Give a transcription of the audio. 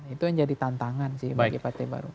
itu yang jadi tantangan sih bagi partai baru